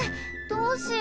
「どうして？